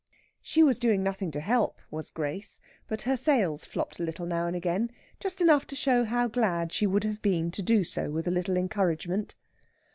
She was doing nothing to help, was Grace, but her sails flopped a little now and again, just enough to show how glad she would have been to do so with a little encouragement.